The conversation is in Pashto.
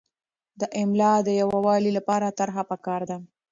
د املاء د یووالي لپاره طرحه پکار ده.